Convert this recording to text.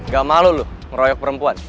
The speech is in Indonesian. gak malu loh ngeroyok perempuan